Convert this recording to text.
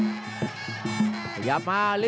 เสริมหักทิ้งลงไปครับรอบเย็นมากครับ